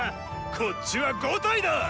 こっちは５体だ！